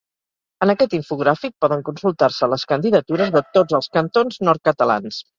En aquest infogràfic poden consultar-se les candidatures de tots els cantons nord-catalans.